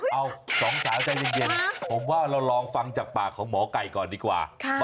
เอาสองสาวใจเย็นผมว่าเราลองฟังจากปากของหมอไก่ก่อนดีกว่า